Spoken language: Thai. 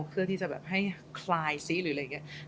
เพื่อที่จะแบบให้คลายซิหรืออะไรอย่างนี้